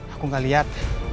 aku gak liat